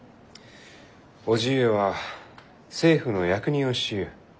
叔父上は政府の役人をしゆう。